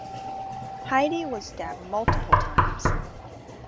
Heidi was stabbed multiple times.